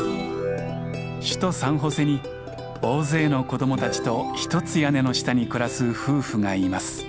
首都サンホセに大勢の子どもたちと一つ屋根の下に暮らす夫婦がいます。